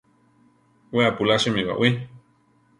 We apulásimi baʼwí.